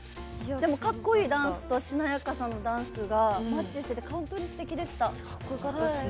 かっこいいダンスとしなやかさのダンスがマッチしてて本当にすてきでした。